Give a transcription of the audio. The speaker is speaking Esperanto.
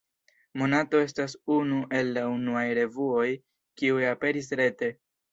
Monato estas unu el la unuaj revuoj, kiuj aperis rete.